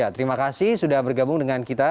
terima kasih sudah bergabung dengan kita